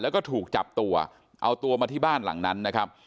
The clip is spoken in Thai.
แล้วก็ถูกจับตัวเอาตัวมาที่บ้านหลังนั้นนะครับ